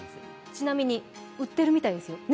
ちなみに売ってるみたいですよ。